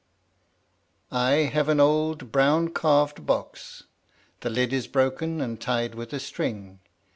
I have an old, brown carved box; the lid is broken and tied with a string.